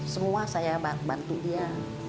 semua saya bantu dia